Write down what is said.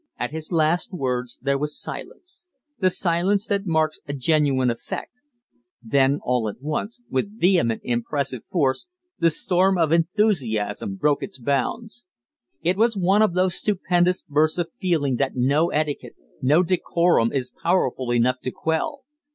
At his last words there was silence the silence that marks a genuine effect then all at once, with vehement, impressive force, the storm of enthusiasm broke its bounds. It was one of those stupendous bursts of feeling that no etiquette, no decorum is powerful enough to quell.